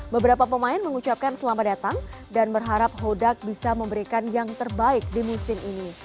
beberapa pemain mengucapkan selamat datang dan berharap hodak bisa memberikan yang terbaik di musim ini